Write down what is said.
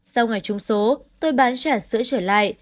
sau ngày chung số tôi bán trả sữa trở lại